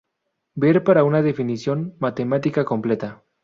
Ver para una definición matemática completa.